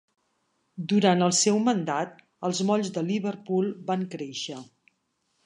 Durant el seu mandat, els molls de Liverpool van créixer.